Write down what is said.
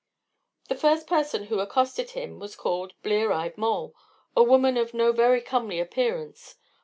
The first person who accosted him was called Blear eyed Moll, a woman of no very comely appearance.